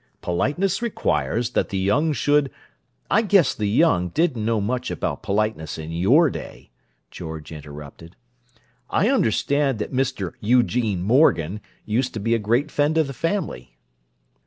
"Politeness requires that the young should—" "I guess the 'young' didn't know much about politeness in your day," George interrupted. "I understand that Mr. Eugene Morgan used to be a great friend of the family."